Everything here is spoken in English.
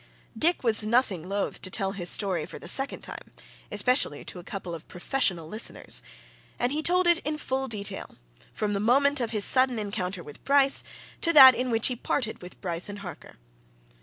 Dick was nothing loth to tell his story for the second time especially to a couple of professional listeners. And he told it in full detail, from the moment of his sudden encounter with Bryce to that in which he parted with Bryce and Harker.